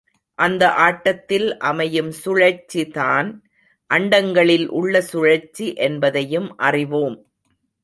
அந்த ஆட்டத்தில் அமையும் சுழற்சிதான், அண்டங்களில் உள்ள சுழற்சி என்பதையும் அறிவோம்.